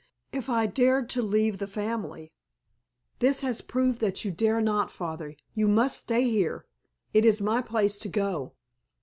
If I dared to leave the family——" "This has proved that you dare not, Father. You must stay here. It is my place to go."